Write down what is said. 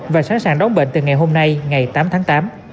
và sẵn sàng đón bệnh từ ngày hôm nay ngày tám tháng tám